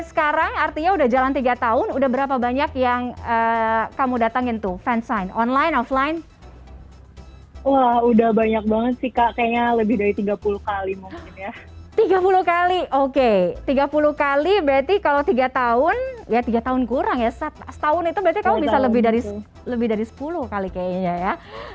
setahun itu berarti kamu bisa lebih dari sepuluh kali kayaknya ya